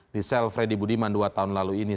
di sel freddy budiman dua tahun lalu ini